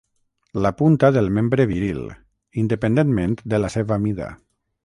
La punta del membre viril, independentment de la seva mida.